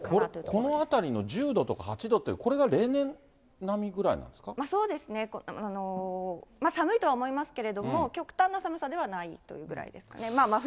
このあたりの１０度とか８度ってこれが例年並みぐらいなんでそうですね、まあ、寒いとは思いますけれども、極端な寒さではないというぐらいですかね。